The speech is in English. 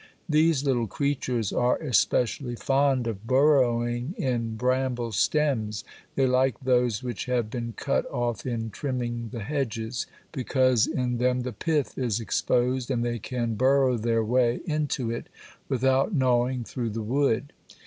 These little creatures are especially fond of burrowing in bramble stems. They like those which have been cut off in trimming the hedges, because in them the pith is exposed and they can burrow their way into it without gnawing through the wood.